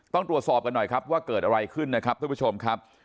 ต้องตรวจสอบกันหน่อยครับว่าเกิดอะไรขึ้นนะครับท่านผู้ชมครับ